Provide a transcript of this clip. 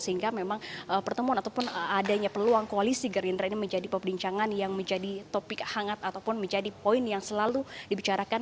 sehingga memang pertemuan ataupun adanya peluang koalisi gerindra ini menjadi peperincangan yang menjadi topik hangat ataupun menjadi poin yang selalu dibicarakan